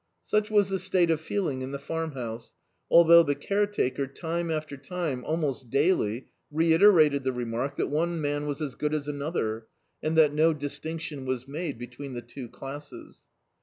Sudi was the state of feeling in the Farmhouse, althou^ the caretaker, time after time, almost daily, reiterated the remark that one man was as good as another, and that no distinction was made between the two classes.